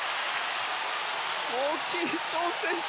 ホーキンソン選手